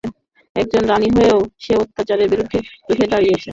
একজন রাণী হলেও সে অত্যাচারের বিরুদ্ধে রুখে দাঁড়িয়েছে।